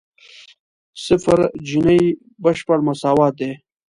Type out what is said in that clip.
صفر جیني بشپړ مساوات دی.